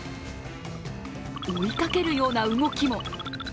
追いかけるような動きも。